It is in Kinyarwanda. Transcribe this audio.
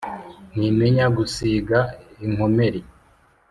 Ntimenya gusiga inkomeri